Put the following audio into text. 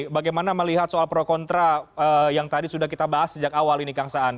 bagaimana melihat soal pro kontra yang tadi sudah kita bahas sejak awal ini kang saan